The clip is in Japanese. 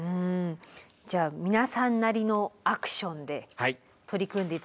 じゃあ皆さんなりのアクションで取り組んで頂けたら。